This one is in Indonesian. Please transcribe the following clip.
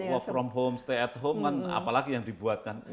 ya work from home stay at home kan apalagi yang dibuat kan